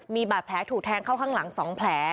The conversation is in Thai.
มีบาดแผลถูกแทงเข้าข้างหลัง๒แผล